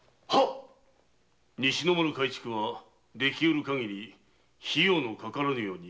西の丸改築はできるかぎり費用のかからぬよう心がけい。